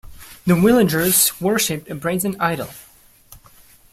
The villagers worshipped a brazen idol